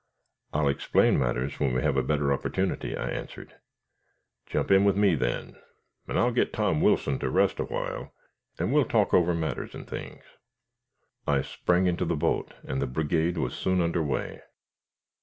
"I'll explain matters when we have a better opportunity," I answered. "Jump in with me then, an' I'll git Tom Wilson to rest a while, and we'll talk over matters and things." I sprang into the boat, and the brigade was soon under way.